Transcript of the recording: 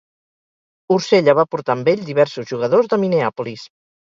Ursella va portar amb ell diversos jugadors de Minneapolis.